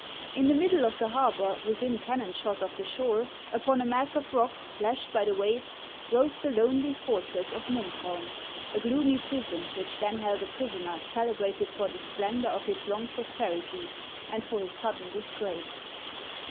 In the middle of the harbor, within cannon shot of the shore, upon a mass of rocks lashed by the waves, rose the lonely fortress of Munkholm, a gloomy prison which then held a prisoner celebrated for the splendor of his long prosperity and for his sudden disgrace.